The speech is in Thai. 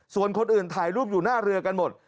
ส่วนคนอื่นถ่ายรูปอยู่หน้าเรือกันหมด